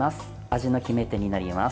味の決め手になります。